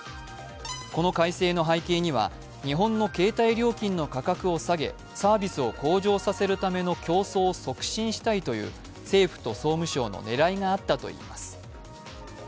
この改正の背景には、日本の携帯料金の価格を下げ、サービスを向上させるための競争を促進したいという政府と総務省の狙いがあったといいます。